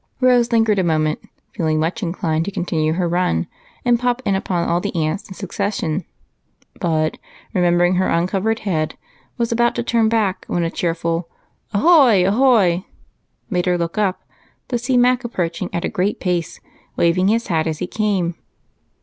Rose lingered a moment, feeling much inclined to continue her run and pop in upon all the aunts in succession, but, remembering her uncovered head, was about to turn back when a cheerful "Ahoy! ahoy!" made her look up to see Mac approaching at a great pace, waving his hat as he came.